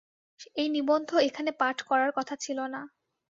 এই নিবন্ধ এখানে পাঠ করার কথা ছিল না।